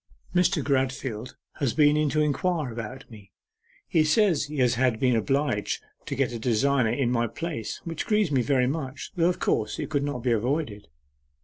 'Mr. Gradfield has been in to inquire about me. He says he has been obliged to get a designer in my place, which grieves me very much, though, of course, it could not be avoided.